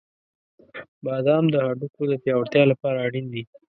• بادام د هډوکو د پیاوړتیا لپاره اړین دي.